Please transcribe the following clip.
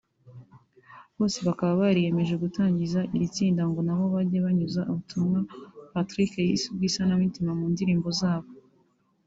Bose bakaba bariyemeje gutangiza iri tsinda ngo nabo bajye banyuza ubutumwa Patrick yise ubw’isanamitima mu ndirimbo zabo